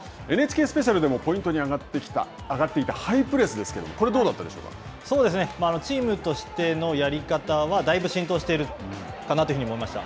「ＮＨＫスペシャル」でもポイントに挙がっていたハイプレスですけれども、これはチームとしてのやり方はだいぶ浸透しているかなというふうに思いました。